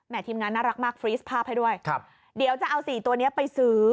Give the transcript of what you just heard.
ทีมงานน่ารักมากฟรีสภาพให้ด้วยครับเดี๋ยวจะเอาสี่ตัวนี้ไปซื้อ